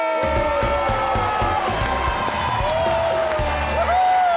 โอ้โฮ